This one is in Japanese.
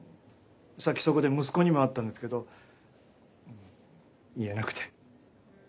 さっきそこで息子にも会ったんですけど言えなくて。